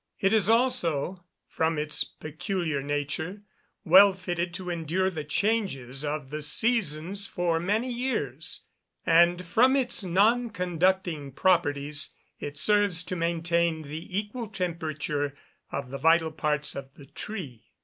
It is also, from its peculiar nature, well fitted to endure the changes of the seasons for many years; and from its non conducting properties it serves to maintain the equal temperature of the vital parts of the tree.